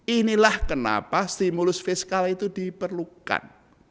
inilah kenapa stimulus fiskal itu diperlukan